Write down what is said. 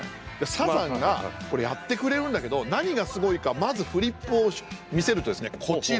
サザンがこれやってくれるんだけど何がすごいかまずフリップを見せるとですねこちら。